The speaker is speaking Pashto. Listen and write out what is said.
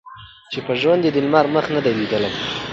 چي په ژوند یې د لمر مخ نه دی لیدلی